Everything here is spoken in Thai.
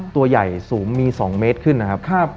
ตัวใหญ่สูงมี๒เมตรขึ้นนะครับ